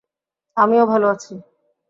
আমিও ভাল আছি।